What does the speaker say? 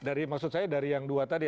dari maksud saya dari yang dua tadi